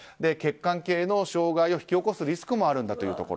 血管系の障害を引き起こすリスクもあると。